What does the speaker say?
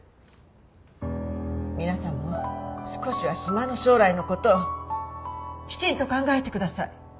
皆さんも少しは島の将来の事をきちんと考えてください。